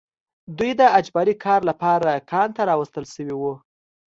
دوی د اجباري کار لپاره کان ته راوستل شوي وو